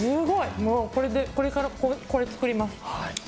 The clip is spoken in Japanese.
もうこれからこれ作ります。